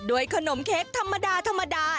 ด้วยขนมเค้กธรรมดา